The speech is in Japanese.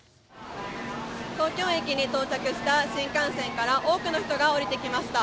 東京駅に到着した新幹線から多くの人が降りてきました。